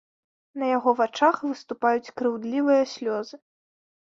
На яго вачах выступаюць крыўдлівыя слёзы.